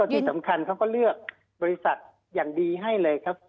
ที่สำคัญเขาก็เลือกบริษัทอย่างดีให้เลยครับ